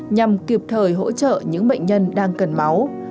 nhằm kịp thời hỗ trợ những bệnh nhân đang cần máu